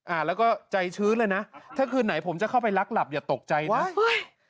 อ่านแล้วก็ใจชื้นเลยนะถ้าคืนไหนผมจะเข้าไปลักหลับอย่าตกใจนะเฮ้ย